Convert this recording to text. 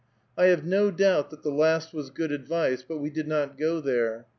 I have no doubt that the last was good advice, but we did not go there.